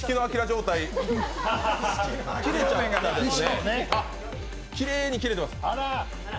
状態きれいに切れてます。